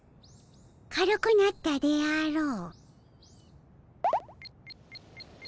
軽くなったであろう。